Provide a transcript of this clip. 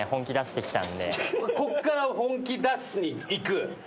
こっから本気出しにいく？